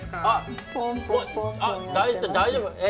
あっ大丈夫？